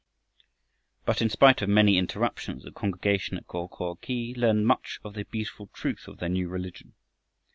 But, in spite of many interruptions, the congregation at Go ko khi learned much of the beautiful truth of their new religion.